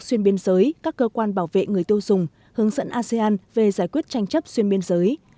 xuyên biên giới các cơ quan bảo vệ người tiêu dùng hướng dẫn asean về giải quyết tranh chấp xuyên biên giới